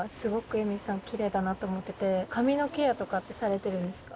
髪のケアとかってされているんですか？